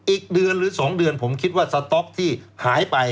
อีกเดือนหรือ๒เดือนผมคิดว่าสต๊อกที่หายไป